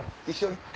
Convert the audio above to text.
一緒に。